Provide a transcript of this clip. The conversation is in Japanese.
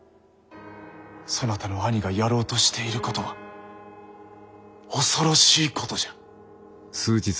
そなたの兄がやろうとしていることは恐ろしいことじゃ。